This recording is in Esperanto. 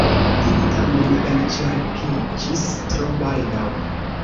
Ili tamen elĉerpiĝis tro baldaŭ.